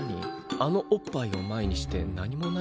あのおっぱいを前にして何もないわけ？